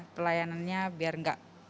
pelayanannya biar tidak